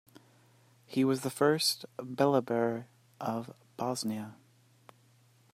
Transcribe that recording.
He was the first beylerbey of Bosnia.